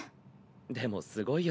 でもすごいよ。